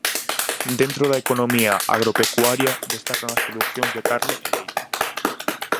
Dentro da economía agropecuaria destacan as producións de carne e leite.